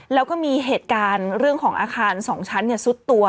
แล้วก็มีเหตุการณ์เรื่องของอาคาร๒ชั้นซุดตัว